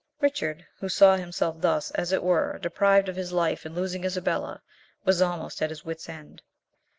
Richard, who saw himself thus, as it were, deprived of his life in losing Isabella, was almost at his wits' end.